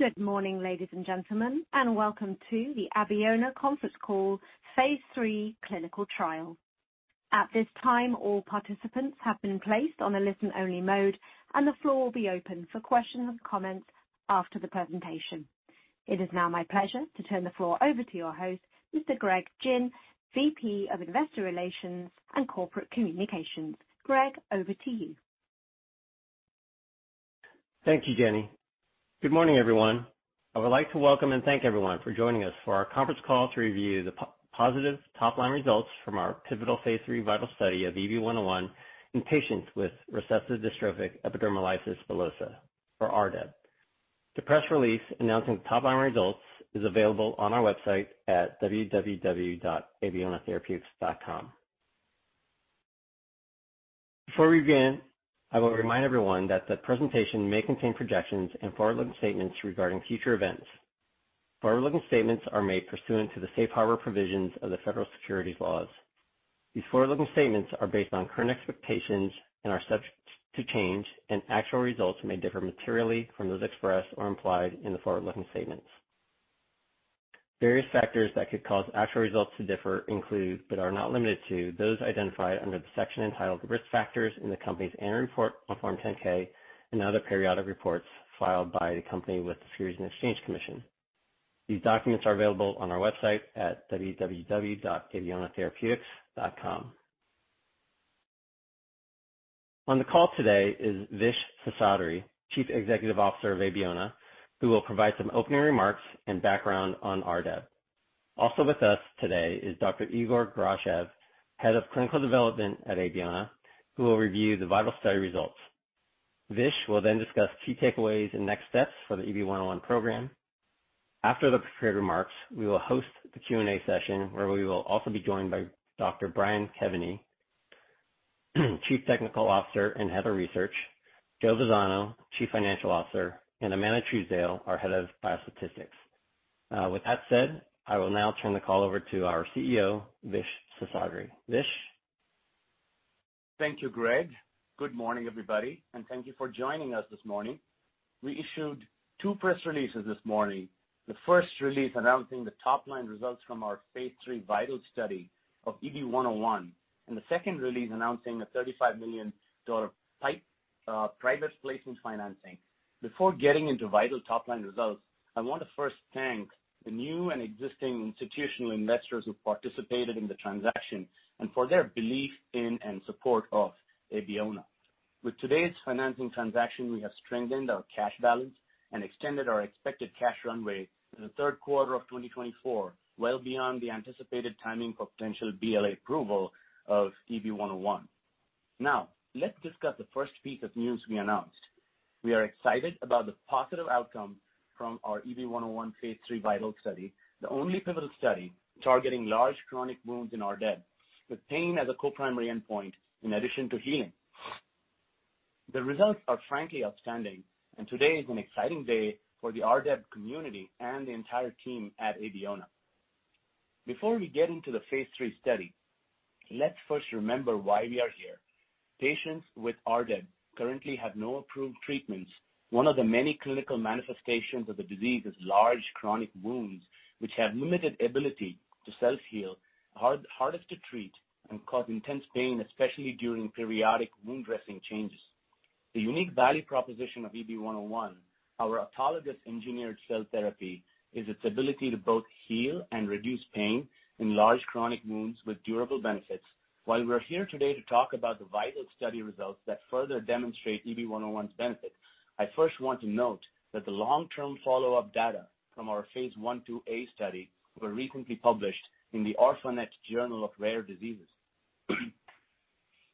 Good morning, ladies and gentlemen, and welcome to the Abeona conference call phase 3 clinical trial. At this time, all participants have been placed on a listen-only mode, and the floor will be open for questions and comments after the presentation. It is now my pleasure to turn the floor over to your host, Mr. Greg Gin, VP of Investor Relations and Corporate Communications. Greg, over to you. Thank you, Jenny. Good morning, everyone. I would like to welcome and thank everyone for joining us for our conference call to review the positive top-line results from our pivotal phase 3 VITAL study of EB-101 in patients with recessive dystrophic epidermolysis bullosa or RDEB. The press release announcing the top-line results is available on our website at www.abeonatherapeutics.com. Before we begin, I want to remind everyone that the presentation may contain projections and forward-looking statements regarding future events. Forward-looking statements are made pursuant to the safe harbor provisions of the Federal Securities laws. These forward-looking statements are based on current expectations and are subject to change, and actual results may differ materially from those expressed or implied in the forward-looking statements. Various factors that could cause actual results to differ include, but are not limited to, those identified under the section entitled Risk Factors in the company's annual report on Form 10-K and other periodic reports filed by the company with the Securities and Exchange Commission. These documents are available on our website at www.abeonatherapeutics.com. On the call today is Vish Seshadri, Chief Executive Officer of Abeona, who will provide some opening remarks and background on RDEB. Also with us today is Dr. Igor Grachev, Head of Clinical Development at Abeona, who will review the VITAL study results. Vish will then discuss key takeaways and next steps for the EB-101 program. After the prepared remarks, we will host the Q&A session, where we will also be joined by Dr. Brian Kevany, Chief Technical Officer and Head of Research, Joseph Vazzano, Chief Financial Officer, and Amanda Truesdale, our Head of Biostatistics. With that said, I will now turn the call over to our CEO, Vish Seshadri. Vish. Thank you, Greg. Good morning, everybody, and thank you for joining us this morning. We issued two press releases this morning. The first release announcing the top-line results from our phase 3 VITAL study of EB-101, and the second release announcing a $35 million PIPE private placement financing. Before getting into VITAL top-line results, I want to first thank the new and existing institutional investors who participated in the transaction and for their belief in and support of Abeona. With today's financing transaction, we have strengthened our cash balance and extended our expected cash runway to the third quarter of 2024, well beyond the anticipated timing for potential BLA approval of EB-101. Now let's discuss the first piece of news we announced. We are excited about the positive outcome from our EB-101 phase 3 VITAL study, the only pivotal study targeting large chronic wounds in RDEB, with pain as a co-primary endpoint in addition to healing. The results are frankly outstanding, and today is an exciting day for the RDEB community and the entire team at Abeona. Before we get into the phase 3 study, let's first remember why we are here. Patients with RDEB currently have no approved treatments. One of the many clinical manifestations of the disease is large chronic wounds which have limited ability to self-heal, hardest to treat, and cause intense pain, especially during periodic wound dressing changes. The unique value proposition of EB-101, our autologous engineered cell therapy, is its ability to both heal and reduce pain in large chronic wounds with durable benefits. While we're here today to talk about the VITAL study results that further demonstrate EB-101's benefits, I first want to note that the long-term follow-up data from our phase 1/2a study were recently published in the Orphanet Journal of Rare Diseases.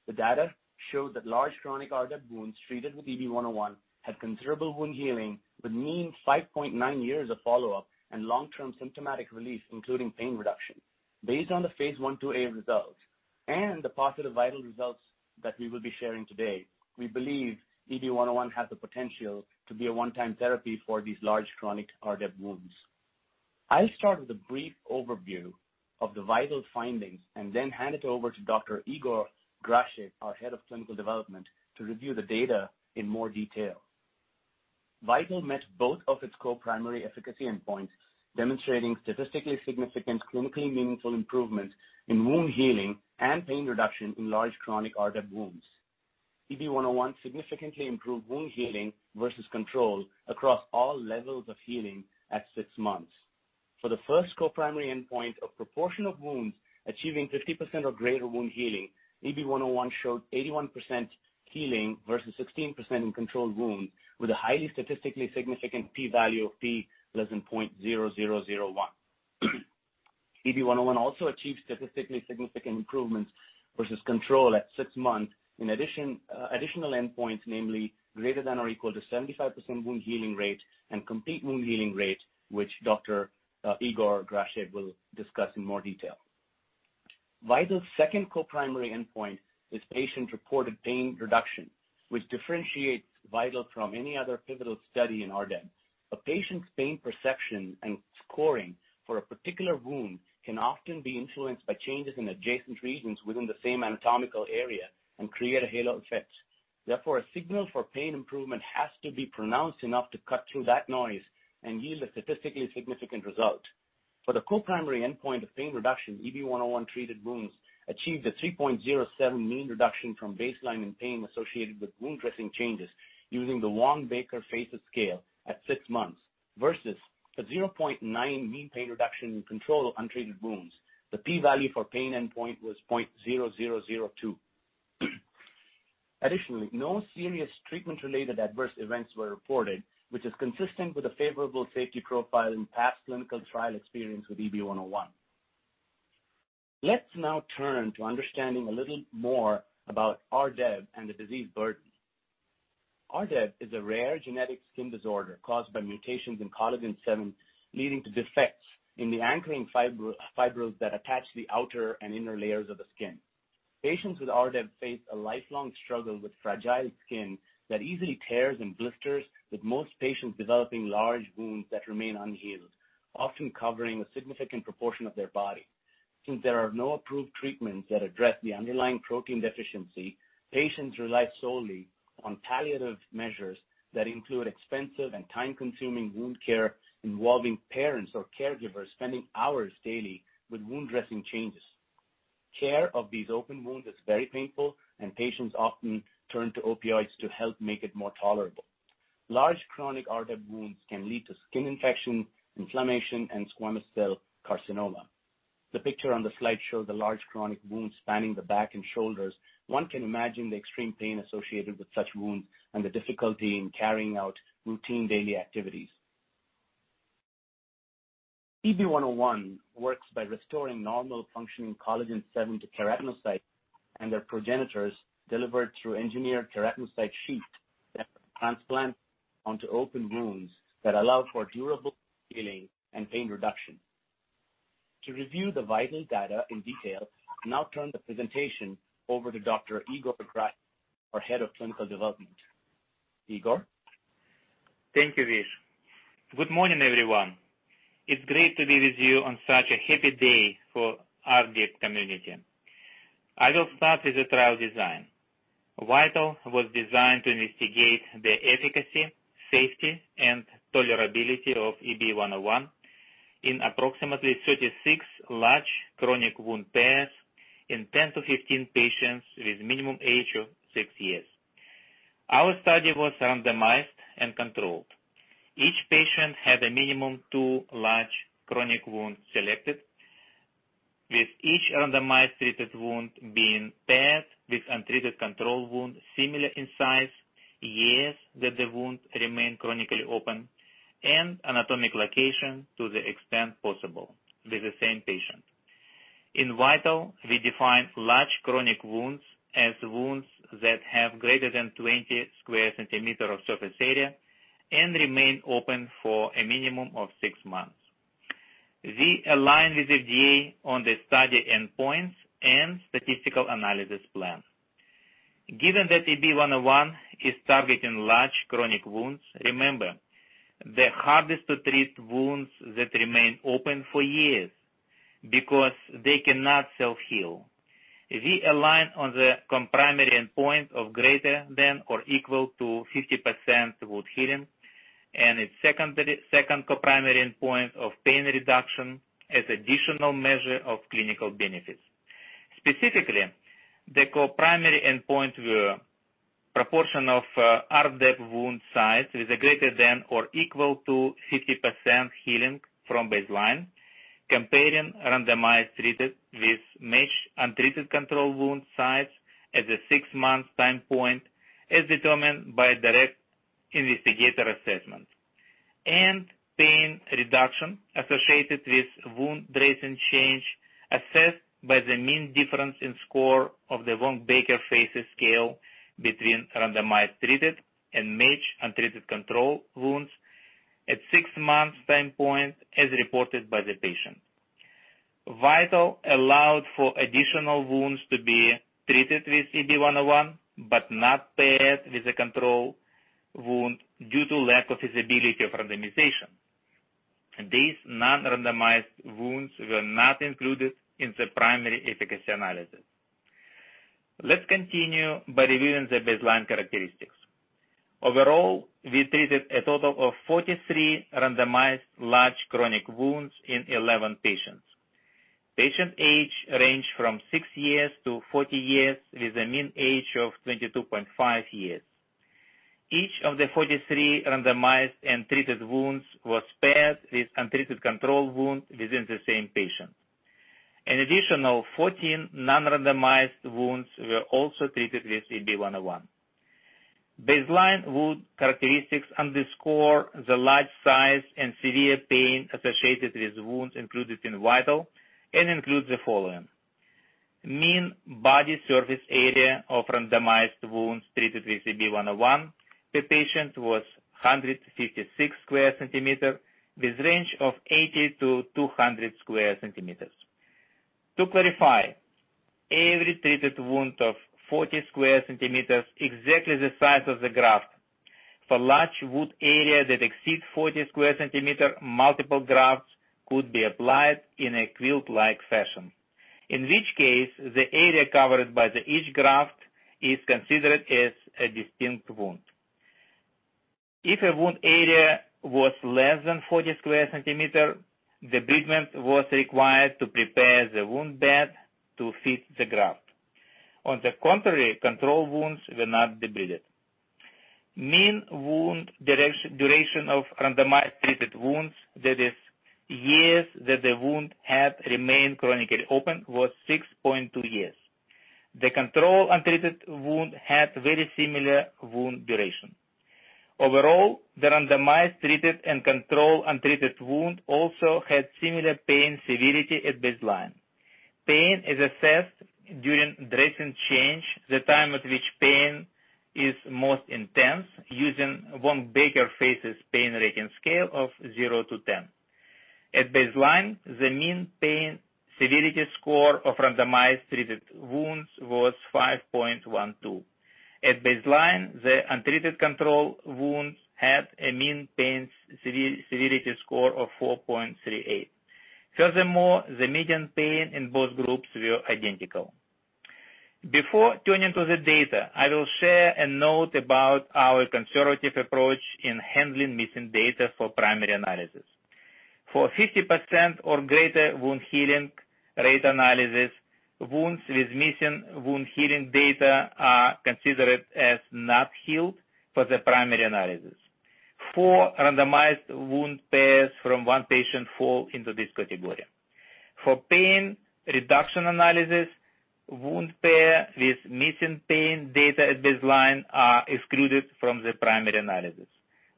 The data showed that large chronic RDEB wounds treated with EB-101 had considerable wound healing with mean 5.9 years of follow-up and long-term symptomatic relief, including pain reduction. Based on the phase 1/2a results and the positive VITAL results that we will be sharing today, we believe EB-101 has the potential to be a one-time therapy for these large chronic RDEB wounds. I'll start with a brief overview of the VITAL findings and then hand it over to Dr. Igor Grachev, our Head of Clinical Development, to review the data in more detail. VITAL met both of its co-primary efficacy endpoints, demonstrating statistically significant, clinically meaningful improvement in wound healing and pain reduction in large chronic RDEB wounds. EB-101 significantly improved wound healing versus control across all levels of healing at six months. For the first co-primary endpoint, a proportion of wounds achieving 50% or greater wound healing, EB-101 showed 81% healing versus 16% in control wound, with a highly statistically significant P value of P less than 0.0001. EB-101 also achieved statistically significant improvements versus control at six months in addition, additional endpoints, namely greater than or equal to 75% wound healing rate and complete wound healing rate, which Dr. Igor Grachev will discuss in more detail. VITAL's second co-primary endpoint is patient-reported pain reduction, which differentiates VITAL from any other pivotal study in RDEB. A patient's pain perception and scoring for a particular wound can often be influenced by changes in adjacent regions within the same anatomical area and create a halo effect. Therefore, a signal for pain improvement has to be pronounced enough to cut through that noise and yield a statistically significant result. For the co-primary endpoint of pain reduction, EB-101 treated wounds achieved a 3.07 mean reduction from baseline in pain associated with wound dressing changes using the Wong-Baker FACES Scale at six months versus a 0.9 mean pain reduction in control of untreated wounds. The P value for pain endpoint was 0.002. Additionally, no serious treatment-related adverse events were reported, which is consistent with a favorable safety profile in past clinical trial experience with EB-101. Let's now turn to understanding a little more about RDEB and the disease burden. RDEB is a rare genetic skin disorder caused by mutations in collagen VII, leading to defects in the anchoring fibrils that attach the outer and inner layers of the skin. Patients with RDEB face a lifelong struggle with fragile skin that easily tears and blisters, with most patients developing large wounds that remain unhealed, often covering a significant proportion of their body. Since there are no approved treatments that address the underlying protein deficiency, patients rely solely on palliative measures that include expensive and time-consuming wound care involving parents or caregivers spending hours daily with wound dressing changes. Care of these open wounds is very painful, and patients often turn to opioids to help make it more tolerable. Large chronic RDEB wounds can lead to skin infection, inflammation, and squamous cell carcinoma. The picture on the slide shows a large chronic wound spanning the back and shoulders. One can imagine the extreme pain associated with such wounds and the difficulty in carrying out routine daily activities. EB-101 works by restoring normal functioning collagen VII to keratinocytes and their progenitors delivered through engineered keratinocyte sheet that transplants onto open wounds that allow for durable healing and pain reduction. To review the VITAL data in detail, I now turn the presentation over to Dr. Igor Grachev, our Head of Clinical Development. Igor? Thank you, Vish. Good morning, everyone. It's great to be with you on such a happy day for RDEB community. I will start with the trial design. VITAL was designed to investigate the efficacy, safety, and tolerability of EB-101 in approximately 36 large chronic wound pairs in 10-15 patients with minimum age of six years. Our study was randomized and controlled. Each patient had a minimum two large chronic wounds selected, with each randomized treated wound being paired with untreated control wound similar in size, years that the wound remained chronically open, and anatomic location to the extent possible with the same patient. In VITAL, we defined large chronic wounds as wounds that have greater than 20 sq cm of surface area and remain open for a minimum of six months. We align with the FDA on the study endpoints and statistical analysis plan. Given that EB-101 is targeting large chronic wounds, remember, the hardest to treat wounds that remain open for years because they cannot self-heal. We align on the co-primary endpoint of greater than or equal to 50% wound healing, and its secondary, second co-primary endpoint of pain reduction as additional measure of clinical benefits. Specifically, the co-primary endpoint were proportion of RDEB wound size with a greater than or equal to 50% healing from baseline, comparing randomized treated with matched untreated control wound size at the six-month time point, as determined by direct investigator assessment. Pain reduction associated with wound dressing change, assessed by the mean difference in score of the Wong-Baker FACES Scale between randomized treated and matched untreated control wounds at six-month time point as reported by the patient. VITAL allowed for additional wounds to be treated with EB-101, but not paired with a control wound due to lack of feasibility of randomization. These non-randomized wounds were not included in the primary efficacy analysis. Let's continue by reviewing the baseline characteristics. Overall, we treated a total of 43 randomized large chronic wounds in 11 patients. Patient age ranged from 6 years to 40 years, with a mean age of 22.5 years. Each of the 43 randomized and treated wounds was paired with untreated control wound within the same patient. An additional 14 non-randomized wounds were also treated with EB-101. Baseline wound characteristics underscore the large size and severe pain associated with wounds included in VITAL and includes the following. Mean body surface area of randomized wounds treated with EB-101 per patient was 156 square centimeters, with range of 80-200 square centimeters. To clarify, every treated wound of 40 square centimeters exactly the size of the graft. For large wound area that exceeds 40 square centimeters, multiple grafts could be applied in a quilt-like fashion, in which case the area covered by each graft is considered as a distinct wound. If a wound area was less than 40 square centimeters, debridement was required to prepare the wound bed to fit the graft. On the contrary, control wounds were not debrided. Mean wound duration of randomized treated wounds, that is, years that the wound had remained chronically open, was 6.2 years. The control untreated wound had very similar wound duration. Overall, the randomized treated and control untreated wound also had similar pain severity at baseline. Pain is assessed during dressing change, the time at which pain is most intense, using Wong-Baker FACES Pain Rating Scale of 0 to 10. At baseline, the mean pain severity score of randomized treated wounds was 5.12. At baseline, the untreated control wounds had a mean pain severity score of 4.38. Furthermore, the median pain in both groups were identical. Before turning to the data, I will share a note about our conservative approach in handling missing data for primary analysis. For 50% or greater wound healing rate analysis, wounds with missing wound healing data are considered as not healed for the primary analysis. Four randomized wound pairs from one patient fall into this category. For pain reduction analysis, wound pair with missing pain data at baseline are excluded from the primary analysis.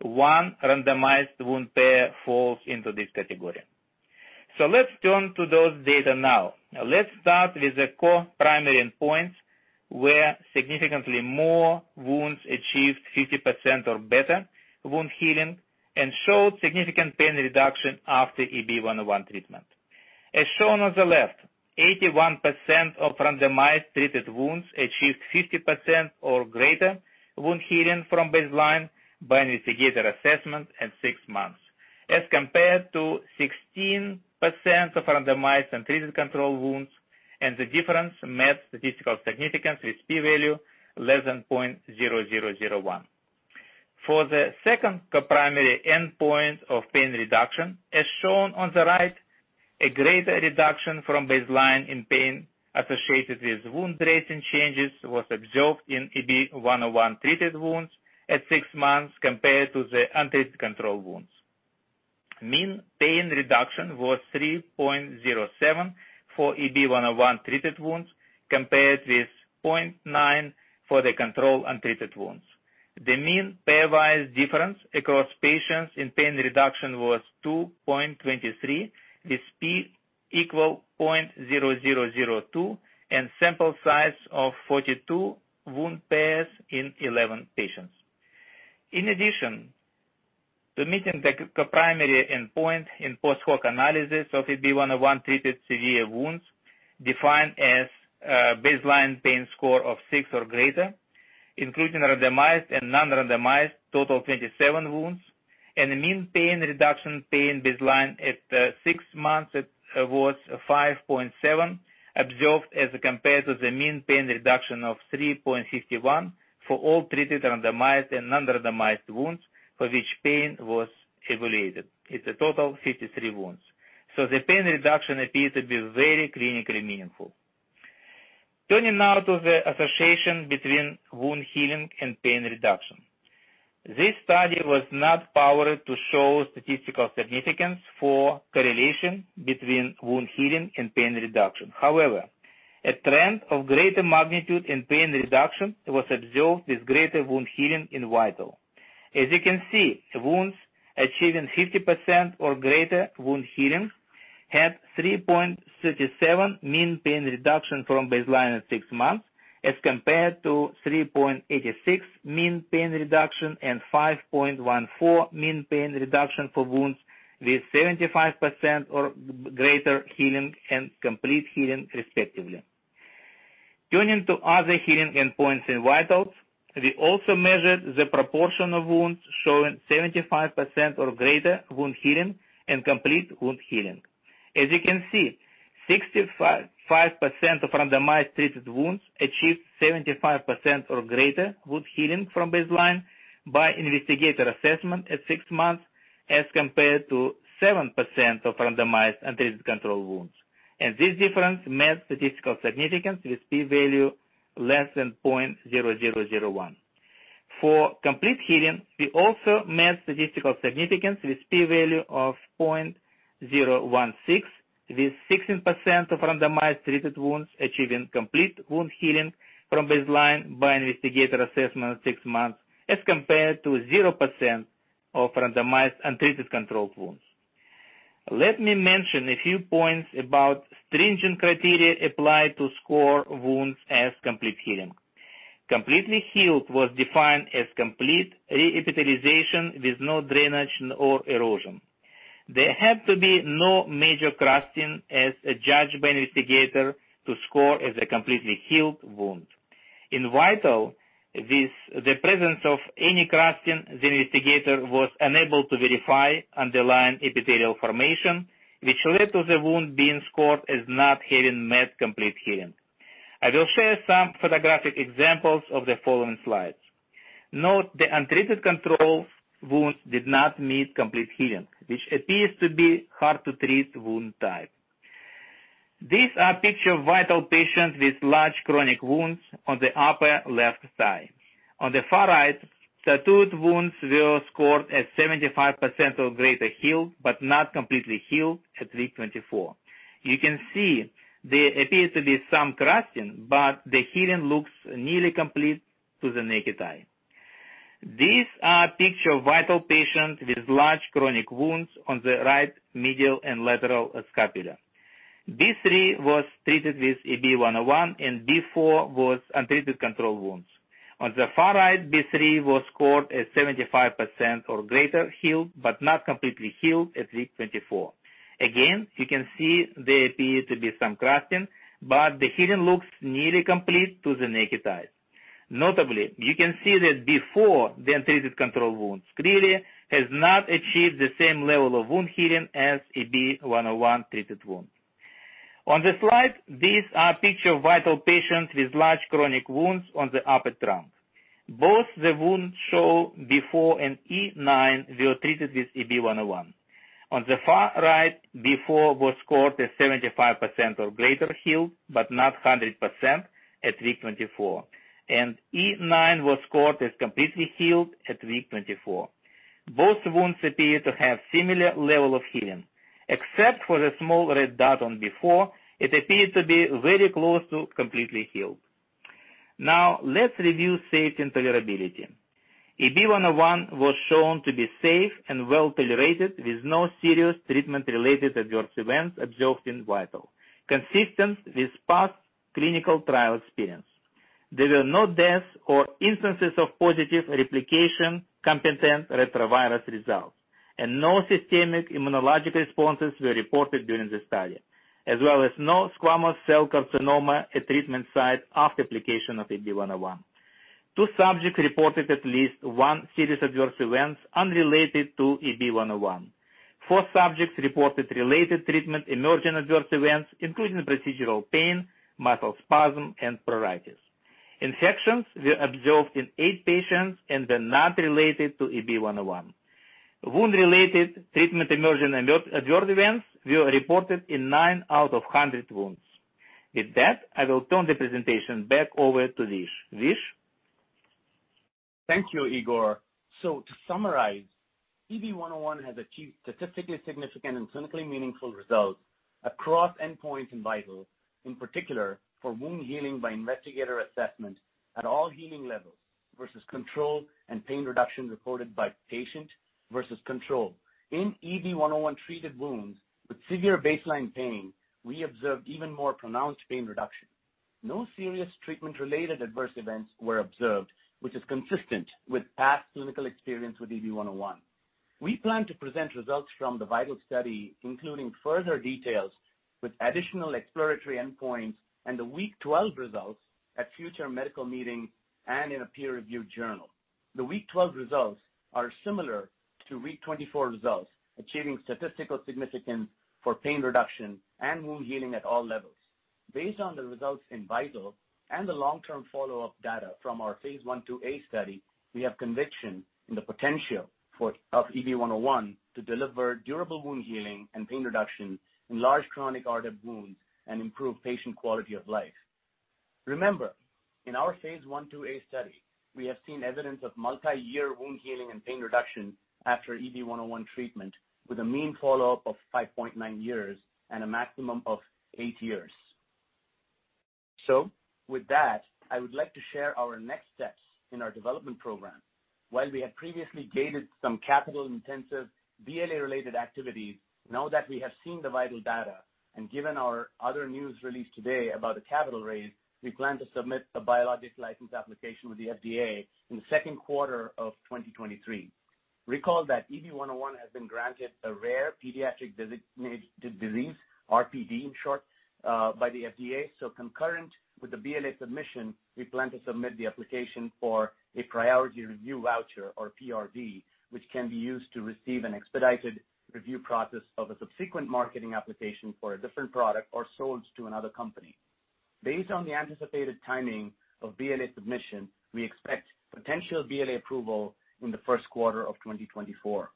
One randomized wound pair falls into this category. Let's turn to those data now. Let's start with the core primary endpoints, where significantly more wounds achieved 50% or better wound healing and showed significant pain reduction after EB-101 treatment. As shown on the left, 81% of randomized treated wounds achieved 50% or greater wound healing from baseline by investigator assessment at six months, as compared to 16% of randomized untreated control wounds, and the difference met statistical significance with P value less than 0.0001. For the second primary endpoint of pain reduction, as shown on the right, a greater reduction from baseline in pain associated with wound dressing changes was observed in EB-101 treated wounds at six months compared to the untreated control wounds. Mean pain reduction was 3.07 for EB-101 treated wounds, compared with 0.9 for the control untreated wounds. The mean pairwise difference across patients in pain reduction was 2.23, with P = 0.0002 and sample size of 42 wound pairs in 11 patients. In addition to meeting the primary endpoint in post-hoc analysis of EB-101 treated severe wounds defined as baseline pain score of six or greater, including randomized and non-randomized, total of 27 wounds, and a mean pain reduction from baseline at six months was 5.7, observed as compared to the mean pain reduction of 3.51 for all treated randomized and non-randomized wounds for which pain was evaluated. It’s a total of 53 wounds. The pain reduction appears to be very clinically meaningful. Turning now to the association between wound healing and pain reduction. This study was not powered to show statistical significance for correlation between wound healing and pain reduction. However, a trend of greater magnitude in pain reduction was observed with greater wound healing in VITAL. As you can see, wounds achieving 50% or greater wound healing had 3.37 mean pain reduction from baseline at six months, as compared to 3.86 mean pain reduction and 5.14 mean pain reduction for wounds with 75% or greater healing and complete healing, respectively. Turning to other healing endpoints in VITAL, we also measured the proportion of wounds showing 75% or greater wound healing and complete wound healing. As you can see, 65% of randomized treated wounds achieved 75% or greater wound healing from baseline by investigator assessment at six months, as compared to 7% of randomized untreated control wounds. This difference met statistical significance with P-value less than 0.0001. For complete healing, we also met statistical significance with P value of 0.016, with 16% of randomized treated wounds achieving complete wound healing from baseline by investigator assessment at six months, as compared to 0% of randomized untreated controlled wounds. Let me mention a few points about stringent criteria applied to score wounds as complete healing. Completely healed was defined as complete re-epithelialization with no drainage nor erosion. There had to be no major crusting as judged by investigator to score as a completely healed wound. In VITAL, with the presence of any crusting, the investigator was unable to verify underlying epithelial formation, which led to the wound being scored as not having met complete healing. I will share some photographic examples of the following slides. Note that the untreated control wounds did not meet complete healing, which appears to be hard to treat wound type. These are pictures of patients with large chronic wounds on the upper left thigh. On the far right, tattooed wounds were scored as 75% or greater healed, but not completely healed at week 24. You can see there appears to be some crusting, but the healing looks nearly complete to the naked eye. These are pictures of patients with large chronic wounds on the right medial and lateral scapula. B3 was treated with EB-101 and B4 was untreated control wounds. On the far right, B3 was scored as 75% or greater healed, but not completely healed at week 24. Again, you can see there appears to be some crusting, but the healing looks nearly complete to the naked eye. Notably, you can see that before the untreated control wounds clearly has not achieved the same level of wound healing as EB-101 treated wound. On this slide, these are pictures of VITAL patients with large chronic wounds on the upper trunk. Both the wounds show before and E9 were treated with EB-101. On the far right, B4 was scored as 75% or greater healed, but not 100% at week 24, and E9 was scored as completely healed at week 24. Both wounds appear to have similar level of healing. Except for the small red dot on B4, it appeared to be very close to completely healed. Now, let's review safety and tolerability. EB-101 was shown to be safe and well tolerated, with no serious treatment-related adverse events observed in VITAL, consistent with past clinical trial experience. There were no deaths or instances of positive replication-competent retrovirus results, and no systemic immunologic responses were reported during the study, as well as no squamous cell carcinoma at treatment site after application of EB-101. Two subjects reported at least one serious adverse event unrelated to EB-101. Four subjects reported related treatment emerging adverse events, including procedural pain, muscle spasm, and pruritus. Infections were observed in eight patients and were not related to EB-101. Wound-related treatment emerging adverse events were reported in 9 out of 100 wounds. With that, I will turn the presentation back over to Vish. Vish? Thank you, Igor. To summarize, EB-101 has achieved statistically significant and clinically meaningful results across endpoints in VITAL, in particular for wound healing by investigator assessment at all healing levels versus control and pain reduction reported by patient versus control. In EB-101 treated wounds with severe baseline pain, we observed even more pronounced pain reduction. No serious treatment-related adverse events were observed, which is consistent with past clinical experience with EB-101. We plan to present results from the VITAL study, including further details with additional exploratory endpoints and the week 12 results at future medical meeting and in a peer-reviewed journal. The week 12 results are similar to week 24 results, achieving statistical significance for pain reduction and wound healing at all levels. Based on the results in VITAL and the long-term follow-up data from our phase 1/2a study, we have conviction in the potential of EB-101 to deliver durable wound healing and pain reduction in large chronic RDEB wounds and improve patient quality of life. Remember, in our phase 1/2a study, we have seen evidence of multiyear wound healing and pain reduction after EB-101 treatment with a mean follow-up of 5.9 years and a maximum of eight years. With that, I would like to share our next steps in our development program. While we have previously gated some capital-intensive BLA-related activities, now that we have seen the VITAL data and given our other news release today about a capital raise, we plan to submit a Biologics License Application with the FDA in the second quarter of 2023. Recall that EB-101 has been granted a rare pediatric disease designation, RPD in short, by the FDA. Concurrent with the BLA submission, we plan to submit the application for a priority review voucher or PRV, which can be used to receive an expedited review process of a subsequent marketing application for a different product or sold to another company. Based on the anticipated timing of BLA submission, we expect potential BLA approval in the first quarter of 2024.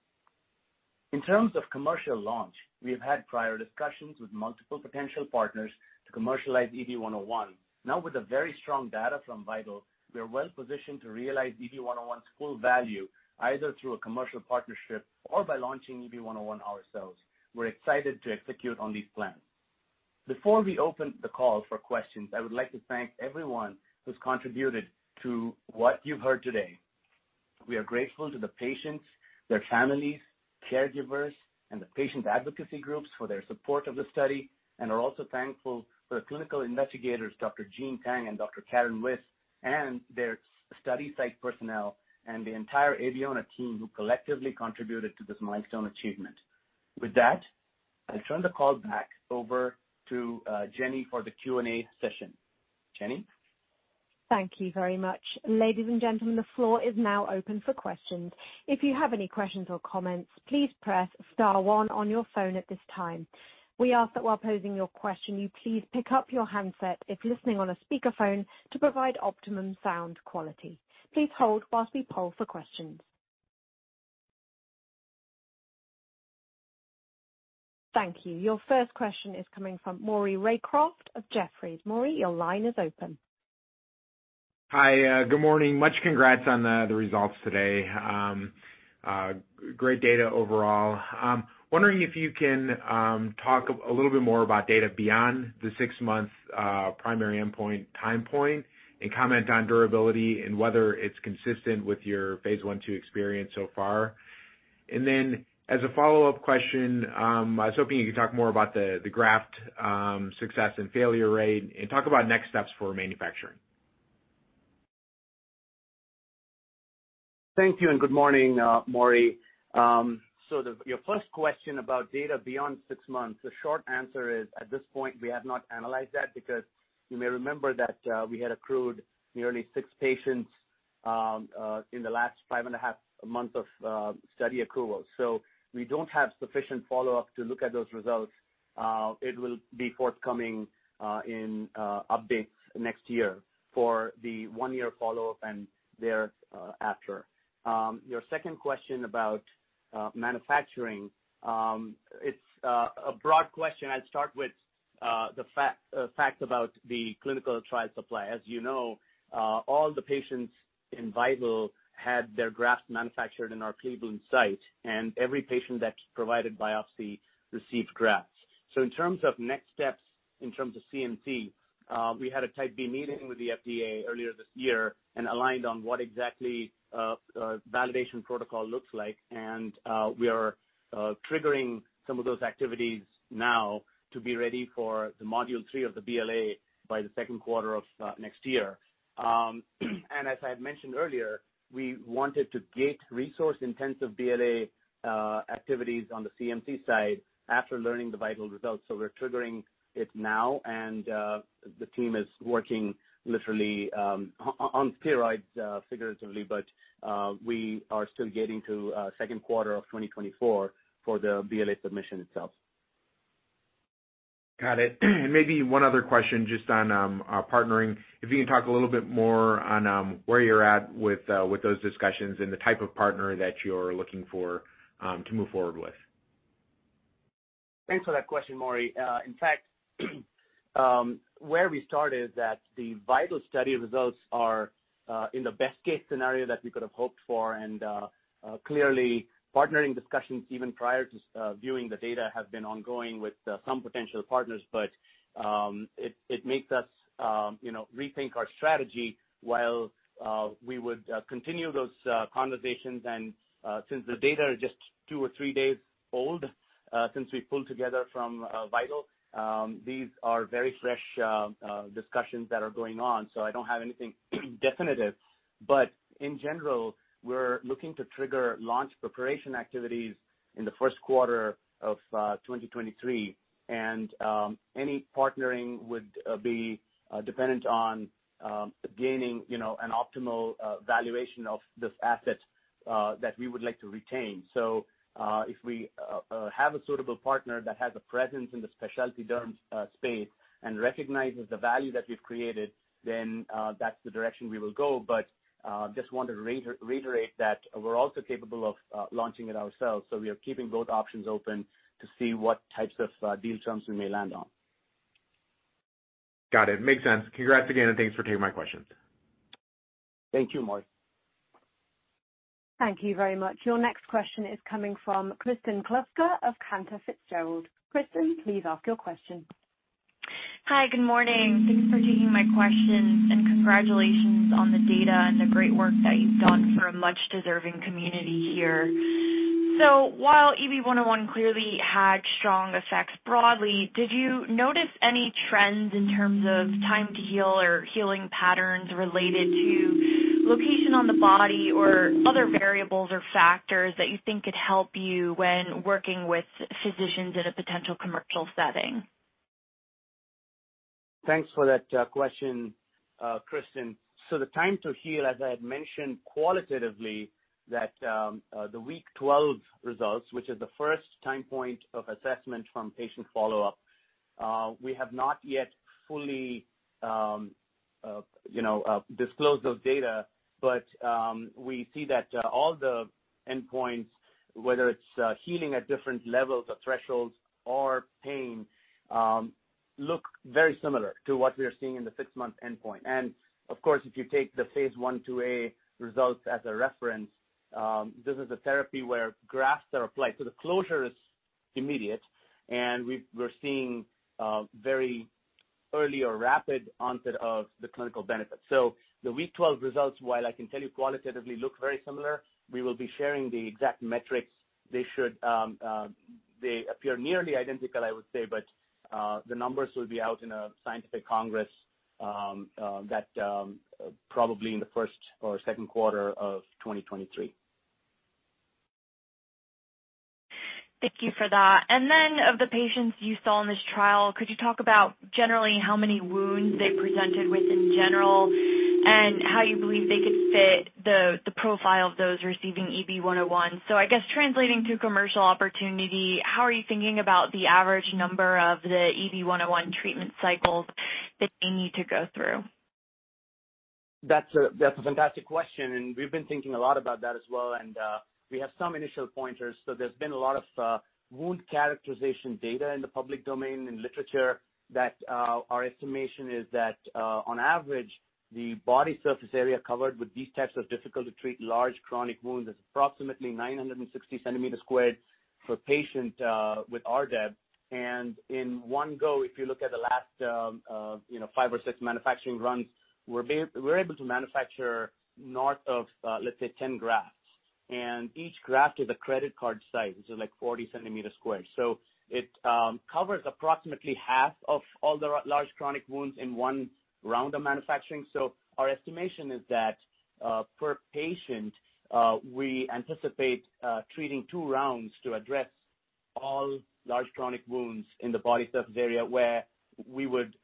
In terms of commercial launch, we have had prior discussions with multiple potential partners to commercialize EB-101. Now with the very strong data from VITAL, we are well positioned to realize EB-101's full value, either through a commercial partnership or by launching EB-101 ourselves. We're excited to execute on these plans. Before we open the call for questions, I would like to thank everyone who's contributed to what you've heard today. We are grateful to the patients, their families, caregivers, and the patient advocacy groups for their support of the study, and are also thankful for the clinical investigators, Dr. Jean Tang and Dr. Karen Wiss, and their study site personnel and the entire Abeona team who collectively contributed to this milestone achievement. With that, I turn the call back over to Jenny for the Q&A session. Jenny? Thank you very much. Ladies and gentlemen, the floor is now open for questions. If you have any questions or comments, please press star one on your phone at this time. We ask that while posing your question, you please pick up your handset if listening on a speaker phone to provide optimum sound quality. Please hold while we poll for questions. Thank you. Your first question is coming from Maury Raycroft of Jefferies. Maury, your line is open. Hi. Good morning. Many congrats on the results today. Great data overall. Wondering if you can talk a little bit more about data beyond the six-month primary endpoint time point and comment on durability and whether it's consistent with your phase 1, 2 experience so far. As a follow-up question, I was hoping you could talk more about the graft success and failure rate and talk about next steps for manufacturing. Thank you and good morning, Maury. Your first question about data beyond six months, the short answer is, at this point, we have not analyzed that because you may remember that, we had accrued nearly six patients, in the last 5.5 months of, study accruals. We don't have sufficient follow-up to look at those results. It will be forthcoming, in, updates next year for the 1-year follow-up and thereafter. Your second question about, manufacturing, it's, a broad question. I'll start with, the fact about the clinical trial supply. As you know, all the patients in VITAL had their grafts manufactured in our Cleveland site, and every patient that provided biopsy received grafts. In terms of next steps, in terms of CMC, we had a Type B meeting with the FDA earlier this year and aligned on what exactly a validation protocol looks like, and we are triggering some of those activities now to be ready for the module 3 of the BLA by the second quarter of next year. As I had mentioned earlier, we wanted to gate resource-intensive BLA activities on the CMC side after learning the VITAL results, so we're triggering it now and the team is working literally on steroids, figuratively, but we are still getting to second quarter of 2024 for the BLA submission itself. Got it. Maybe one other question just on partnering. If you can talk a little bit more on where you're at with those discussions and the type of partner that you're looking for to move forward with? Thanks for that question, Maury. In fact, where we start is that the VITAL study results are in the best-case scenario that we could have hoped for. Clearly, partnering discussions even prior to reviewing the data have been ongoing with some potential partners but it makes us, you know, rethink our strategy while we would continue those conversations. Since the data are just two or three days old since we pulled together from VITAL, these are very fresh discussions that are going on, so I don't have anything definitive. In general, we're looking to trigger launch preparation activities in the first quarter of 2023 and any partnering would be dependent on gaining, you know, an optimal valuation of this asset that we would like to retain. If we have a suitable partner that has a presence in the specialty derm space and recognizes the value that we've created, then that's the direction we will go. Just wanted to reiterate that we're also capable of launching it ourselves, so we are keeping both options open to see what types of deal terms we may land on. Got it. Makes sense. Congrats again, and thanks for taking my questions. Thank you, Maury. Thank you very much. Your next question is coming from Kristen Kluska of Cantor Fitzgerald. Kristin, please ask your question. Hi. Good morning. Thanks for taking my questions, and congratulations on the data and the great work that you've done for a much deserving community here. While EB-101 clearly had strong effects broadly, did you notice any trends in terms of time to heal or healing patterns related to location on the body or other variables or factors that you think could help you when working with physicians in a potential commercial setting? Thanks for that question, Kristen. The time to heal, as I had mentioned qualitatively that the week 12 results, which is the first time point of assessment from patient follow-up, we have not yet fully you know disclosed those data. We see that all the endpoints, whether it's healing at different levels of thresholds or pain, look very similar to what we are seeing in the six-month endpoint. If you take the phase 1/2A results as a reference, this is a therapy where grafts are applied, so the closure is immediate and we're seeing very early or rapid onset of the clinical benefit. The week 12 results, while I can tell you qualitatively look very similar, we will be sharing the exact metrics. They appear nearly identical, I would say, but the numbers will be out in a scientific congress probably in the first or second quarter of 2023. Thank you for that. Of the patients you saw in this trial, could you talk about generally how many wounds they presented with in general and how you believe they could fit the profile of those receiving EB-101? I guess translating to commercial opportunity, how are you thinking about the average number of the EB-101 treatment cycles that they need to go through? That's a fantastic question, and we've been thinking a lot about that as well. We have some initial pointers. There's been a lot of wound characterization data in the public domain and literature that our estimation is that on average, the body surface area covered with these types of difficult to treat large chronic wounds is approximately 960 centimeters squared per patient with RDEB. In one go, if you look at the last five or six manufacturing runs, we're able to manufacture north of let's say 10 grafts. Each graft is a credit card size, which is like 40 centimeters squared. It covers approximately half of all the large chronic wounds in one round of manufacturing. Our estimation is that per patient we anticipate treating two rounds to address all large chronic wounds in the body surface area where we would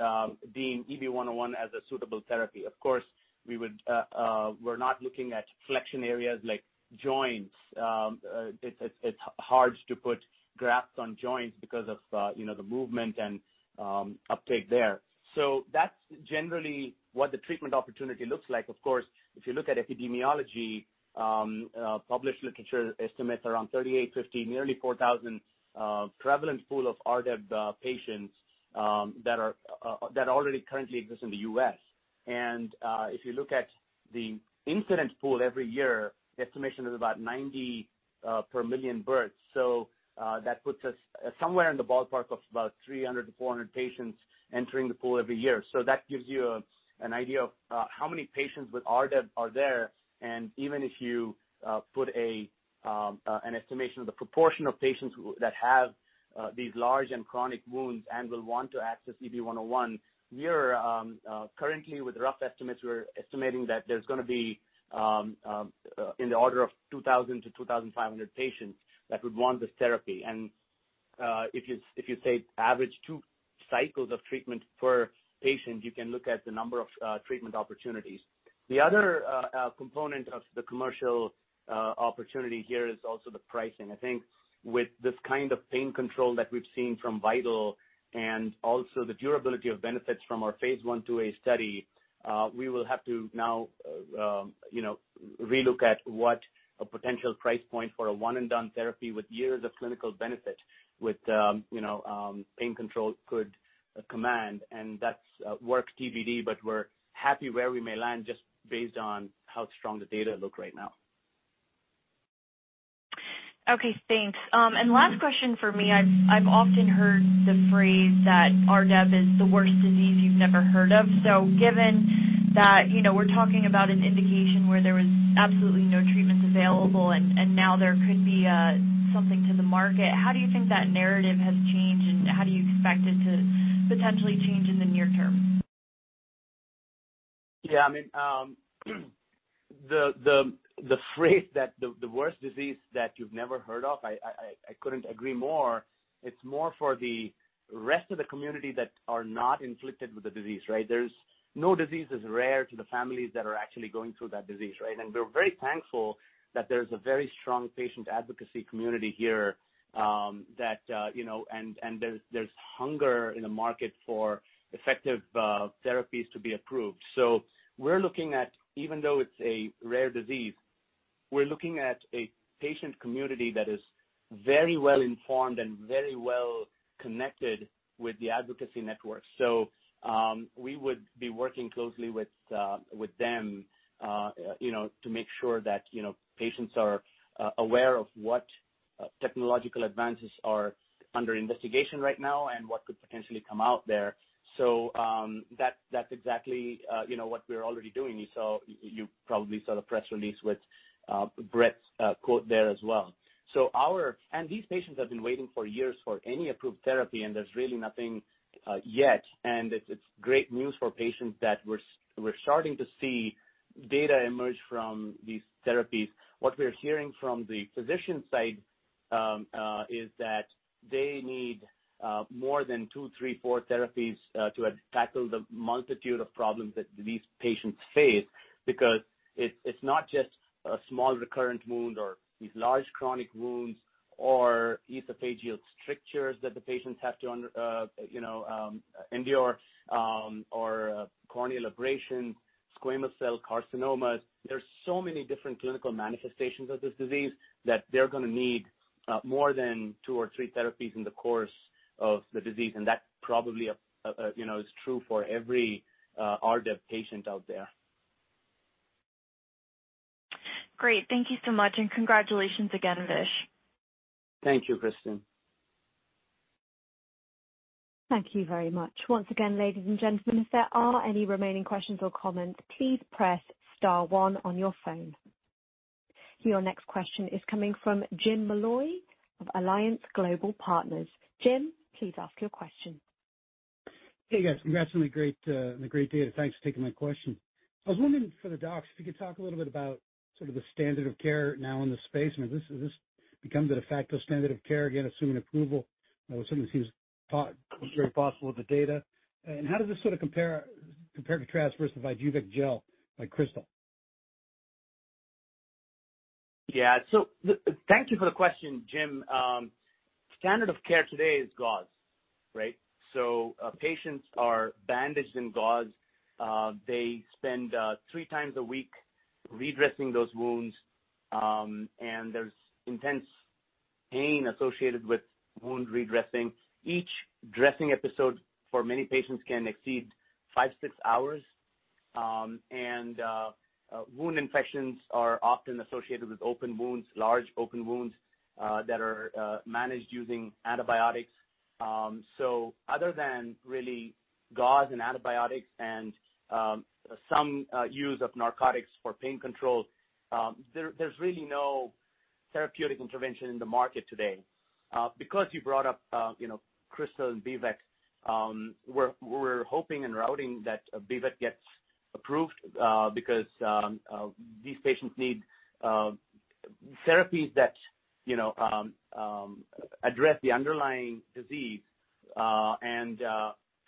deem EB-101 as a suitable therapy. Of course, we're not looking at flexion areas like joints. It's hard to put grafts on joints because of you know the movement and uptake there. That's generally what the treatment opportunity looks like. Of course, if you look at epidemiology, published literature estimates around 3,850, nearly 4,000, prevalent pool of RDEB patients that already currently exist in the U.S. If you look at the incidence pool every year, the estimation is about 90 per million births. That puts us somewhere in the ballpark of about 300-400 patients entering the pool every year. That gives you an idea of how many patients with RDEB are there. Even if you put an estimation of the proportion of patients that have these large and chronic wounds and will want to access EB-101, we're currently with rough estimates, we're estimating that there's gonna be in the order of 2,000-2,500 patients that would want this therapy. If you say average 2 cycles of treatment per patient, you can look at the number of treatment opportunities. The other component of the commercial opportunity here is also the pricing. I think with this kind of pain control that we've seen from VITAL and also the durability of benefits from our phase 1/2A study, we will have to now, you know, re-look at what a potential price point for a one and done therapy with years of clinical benefit with, you know, pain control could command. That's work TBD, but we're happy where we may land just based on how strong the data look right now. Okay, thanks. Last question for me. I've often heard the phrase that RDEB is the worst disease you've never heard of. Given that, you know, we're talking about an indication where there was absolutely no treatments available and now there could be something to the market, how do you think that narrative has changed, and how do you expect it to potentially change in the near term? Yeah, I mean, the phrase that the worst disease that you've never heard of, I couldn't agree more. It's more for the rest of the community that are not inflicted with the disease, right? There's no disease as rare to the families that are actually going through that disease, right? We're very thankful that there's a very strong patient advocacy community here, you know, and there's hunger in the market for effective therapies to be approved. We're looking at, even though it's a rare disease, a patient community that is very well informed and very well connected with the advocacy network. We would be working closely with them, you know, to make sure that, you know, patients are aware of what technological advances are under investigation right now and what could potentially come out there. That's exactly, you know, what we're already doing. You probably saw the press release with Brett's quote there as well. These patients have been waiting for years for any approved therapy, and there's really nothing yet. It's great news for patients that we're starting to see data emerge from these therapies. What we're hearing from the physician side is that they need more than two, three, four therapies to tackle the multitude of problems that these patients face because it's not just a small recurrent wound or these large chronic wounds or esophageal strictures that the patients have to you know endure or corneal abrasion, squamous cell carcinomas. There's so many different clinical manifestations of this disease that they're gonna need more than two or three therapies in the course of the disease. That probably you know is true for every RDEB patient out there. Great. Thank you so much, and congratulations again, Vish. Thank you, Kristen. Thank you very much. Once again, ladies and gentlemen, if there are any remaining questions or comments, please press star one on your phone. Your next question is coming from Jim Molloy of Alliance Global Partners. Jim, please ask your question. Hey, guys. Congrats on a great data. Thanks for taking my question. I was wondering for the docs, if you could talk a little bit about sort of the standard of care now in the space. I mean, has this become the de facto standard of care, again, assuming approval, you know, something that seems very possible with the data. How does this sort of compare to Krystal's VYJUVEK gel, like Krystal? Yeah. Thank you for the question, Jim. Standard of care today is gauze, right? Patients are bandaged in gauze. They spend three times a week redressing those wounds, and there's intense pain associated with wound redressing. Each dressing episode, for many patients, can exceed 5, 6 hours, and wound infections are often associated with open wounds, large open wounds, that are managed using antibiotics. Other than really gauze and antibiotics and some use of narcotics for pain control, there's really no therapeutic intervention in the market today. Because you brought up, you know, Krystal and VYJUVEK, we're hoping and rooting that VYJUVEK gets approved, because these patients need therapies that, you know, address the underlying disease.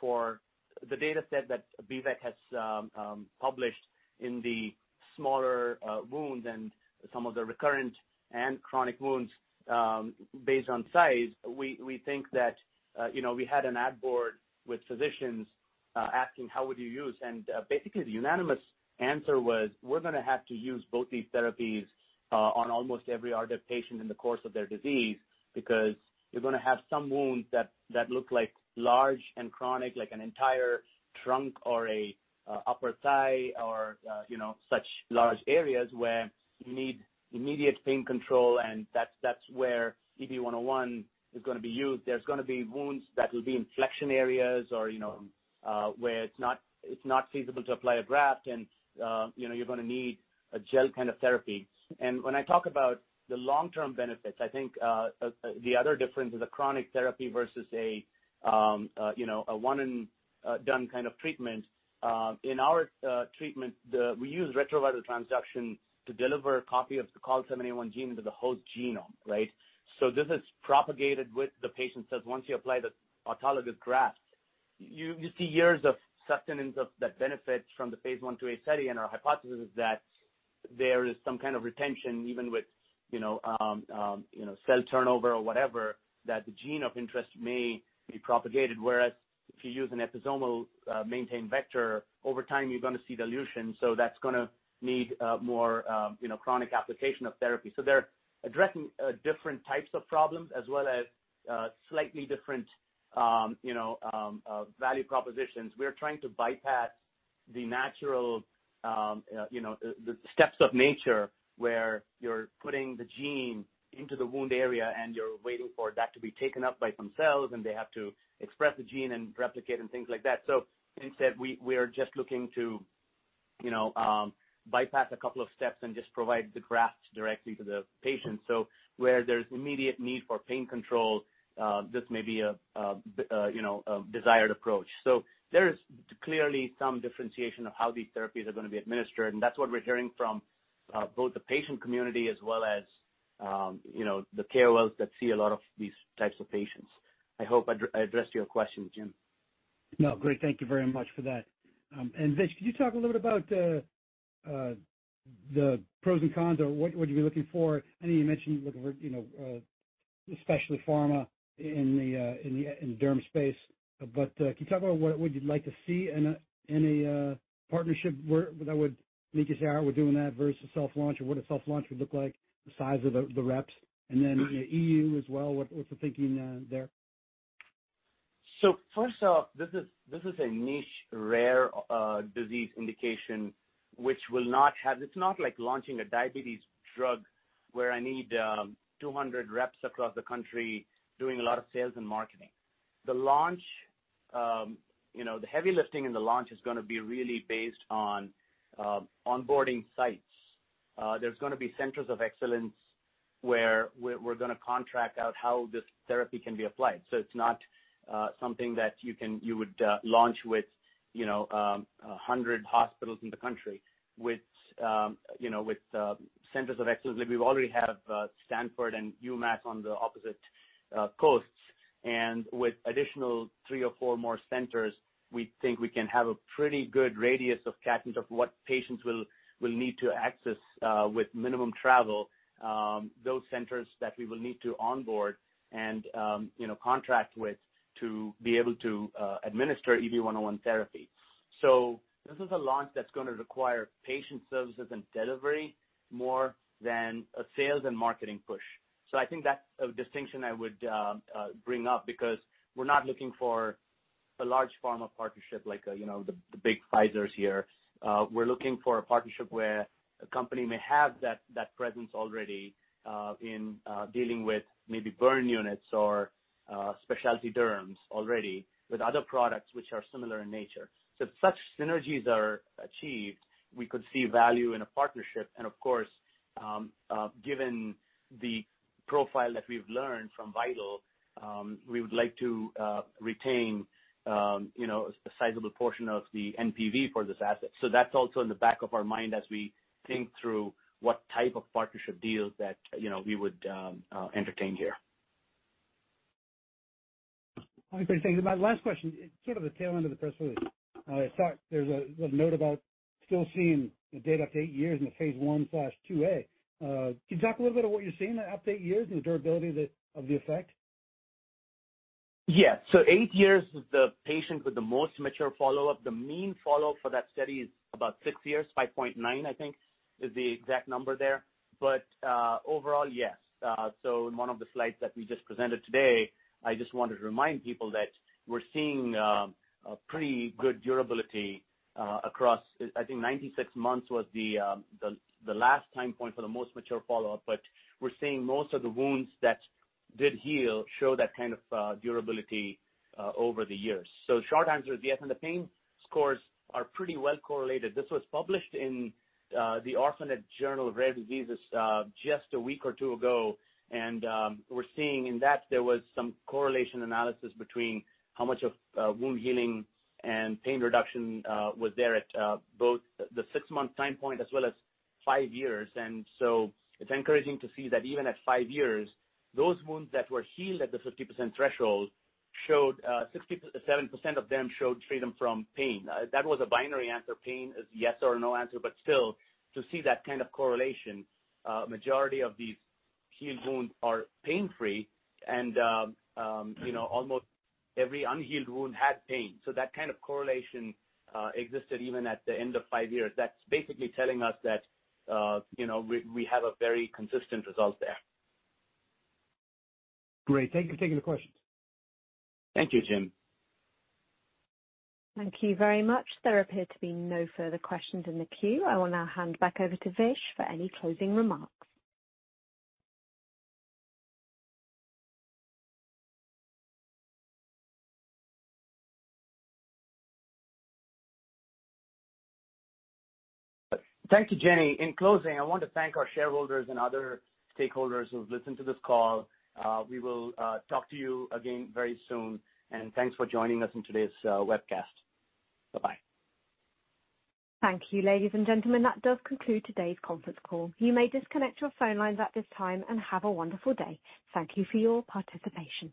For the dataset that VYJUVEK has published in the smaller wounds and some of the recurrent and chronic wounds, based on size, we think that, you know, we had an advisory board with physicians, asking how would you use. Basically the unanimous answer was, "We're gonna have to use both these therapies on almost every RDEB patient in the course of their disease, because you're gonna have some wounds that look like large and chronic, like an entire trunk or a upper thigh or, you know, such large areas where you need immediate pain control, and that's where EB-101 is gonna be used. There's gonna be wounds that will be in flexion areas or, you know, where it's not feasible to apply a graft and, you know, you're gonna need a gel kind of therapy. When I talk about the long-term benefits, I think the other difference is a chronic therapy versus a, you know, a one and done kind of treatment. In our treatment, we use retroviral transduction to deliver a copy of the COL7A1 gene to the host genome, right? This is propagated within the patient. Once you apply the autologous graft, you see years of sustenance of the benefits from the phase 1/2A study, and our hypothesis is that there is some kind of retention even with you know cell turnover or whatever that the gene of interest may be propagated. Whereas if you use an episomal maintained vector, over time you're gonna see dilution, so that's gonna need more you know chronic application of therapy. They're addressing different types of problems as well as slightly different you know value propositions. We're trying to bypass the natural, you know, the steps of nature, where you're putting the gene into the wound area, and you're waiting for that to be taken up by themselves, and they have to express the gene and replicate and things like that. Instead, we are just looking to, you know, bypass a couple of steps and just provide the grafts directly to the patient. Where there's immediate need for pain control, this may be a, you know, desired approach. There is clearly some differentiation of how these therapies are gonna be administered, and that's what we're hearing from both the patient community as well as, you know, the KOLs that see a lot of these types of patients. I hope I addressed your question, Jim. No, great. Thank you very much for that. And Vish, could you talk a little bit about the pros and cons or what would you be looking for? I know you mentioned you're looking for, you know, especially pharma in the derm space. But can you talk about what would you like to see in a partnership where that would make you say, "All right, we're doing that," versus self-launch or what a self-launch would look like, the size of the reps? And then in the EU as well, what's the thinking there? First off, this is a niche rare disease indication which will not have. It's not like launching a diabetes drug where I need 200 reps across the country doing a lot of sales and marketing. The launch, you know, the heavy lifting in the launch is gonna be really based on onboarding sites. There's gonna be centers of excellence where we're gonna contract out how this therapy can be applied. It's not something that you would launch with, you know, 100 hospitals in the country. With, you know, with centers of excellence, like we already have Stanford and UMass on the opposite coasts. With additional three or four more centers, we think we can have a pretty good radius of catch of what patients will need to access with minimum travel those centers that we will need to onboard and you know contract with to be able to administer EB-101 therapy. This is a launch that's gonna require patient services and delivery more than a sales and marketing push. I think that's a distinction I would bring up because we're not looking for a large pharma partnership like you know the big Pfizer here. We're looking for a partnership where a company may have that presence already in dealing with maybe burn units or specialty derms already with other products which are similar in nature. If such synergies are achieved, we could see value in a partnership. Of course, given the profile that we've learned from VITAL, we would like to retain, you know, a sizable portion of the NPV for this asset. That's also in the back of our mind as we think through what type of partnership deals that, you know, we would entertain here. Okay, thanks. My last question is sort of the tail end of the press release. It's thought there's a note about still seeing the data up to eight years in the phase 1/2a. Can you talk a little bit about what you're seeing at up to eight years and the durability of the effect? Yeah. Eight years is the patient with the most mature follow-up. The mean follow-up for that study is about six years, 5.9, I think is the exact number there. Overall, yes. In one of the slides that we just presented today, I just wanted to remind people that we're seeing a pretty good durability across, I think 96 months was the last time point for the most mature follow-up, but we're seeing most of the wounds that did heal show that kind of durability over the years. Short answer is yes, and the pain scores are pretty well correlated. This was published in the Orphanet Journal of Rare Diseases just a week or two ago. We're seeing in that there was some correlation analysis between how much of wound healing and pain reduction was there at both the six-month time point as well as five years. It's encouraging to see that even at five years, those wounds that were healed at the 50% threshold showed 67% of them showed freedom from pain. That was a binary answer. Pain is yes or no answer, but still, to see that kind of correlation, majority of these healed wounds are pain-free and you know, almost every unhealed wound had pain. That kind of correlation existed even at the end of five years. That's basically telling us that you know, we have a very consistent result there. Great. Thank you. Thank you for the questions. Thank you, Jim. Thank you very much. There appear to be no further questions in the queue. I will now hand back over to Vish for any closing remarks. Thank you, Jenny. In closing, I want to thank our shareholders and other stakeholders who have listened to this call. We will talk to you again very soon. Thanks for joining us in today's webcast. Bye-bye. Thank you, ladies and gentlemen. That does conclude today's conference call. You may disconnect your phone lines at this time, and have a wonderful day. Thank you for your participation.